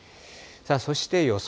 そして予想